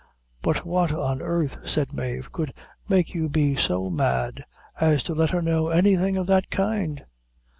"But what on earth," said Mave, "could make you be so mad as to let her know anything of that kind?"